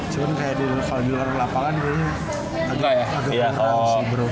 cuman kalau di luar lapangan dia agak agak keren sih bro